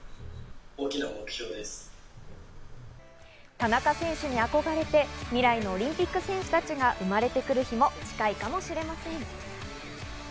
田中選手に憧れて、未来のオリンピック選手たちが生まれてくる日も近いかもしれません。